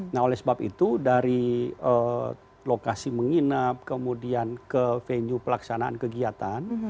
nah oleh sebab itu dari lokasi menginap kemudian ke venue pelaksanaan kegiatan